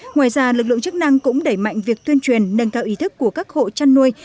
ngoài ra lực lượng chức năng cũng đẩy mạnh việc tuyên truyền nâng cao ý thức của các hộ chăn nuôi